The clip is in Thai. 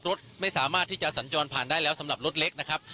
รถไม่สามารถที่จะสัญจรผ่านได้แล้วสำหรับรถเล็กนะครับ